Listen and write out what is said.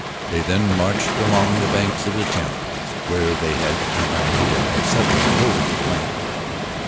They then marched along the banks of the Thames where they had an idea of settling and holding the land.